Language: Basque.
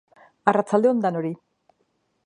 Arratsalde on danori!